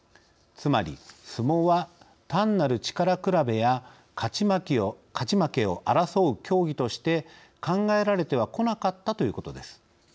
つまり、相撲は単なる力比べや勝ち負けを争う競技として考えられてはこなかったということです。